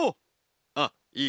あっいい